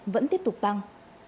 vẫn tiếp tục tăng